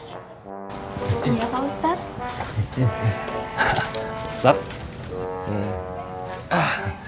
enggak tahu ustaz